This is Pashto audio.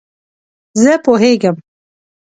زه پوهیږم